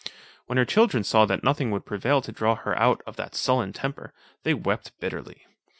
When her children saw that nothing would prevail to draw her out of that sullen temper, they wept bitterly.